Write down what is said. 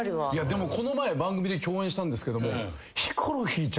でもこの前番組で共演したんですけども。